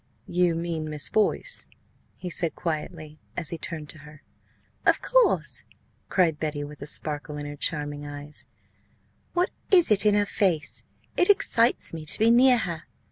"You mean Miss Boyce?" he said quietly, as he turned to her. "Of course!" cried Betty, with a sparkle in her charming eyes; "what is it in her face? It excites me to be near her.